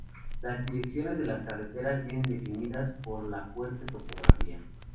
Las direcciones de las carreteras vienen definidas por la fuerte topografía.